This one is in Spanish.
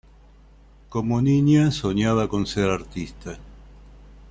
Como niña soñaba con ser artista.